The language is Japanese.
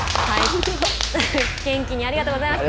元気にありがとうございます。